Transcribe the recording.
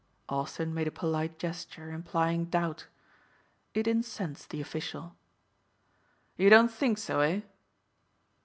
Austin made a polite gesture implying doubt. It incensed the official. "You don't think so, eh?"